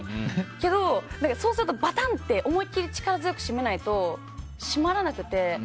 けど、そうするとバタンって思い切り力強く締めないと閉まらなくて。